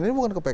ini bukan ke pks